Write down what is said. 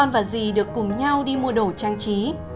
con và dì được cùng nhau đi mua đồ trang trí